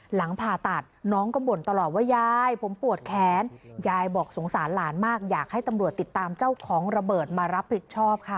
หลังผ่าตัดน้องก็บ่นตลอดว่ายายผมปวดแขนยายบอกสงสารหลานมากอยากให้ตำรวจติดตามเจ้าของระเบิดมารับผิดชอบค่ะ